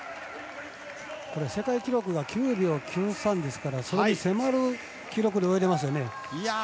世界記録が９秒９３ですからそれに迫る記録で泳いでますね。